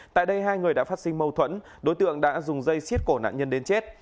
tại đây hai người đã phát sinh mâu thuẫn đối tượng đã dùng dây xiết cổ nạn nhân đến chết